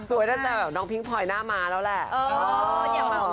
สวยถ้าจะน้องพิงพลอยหน้ามาแล้วแหละ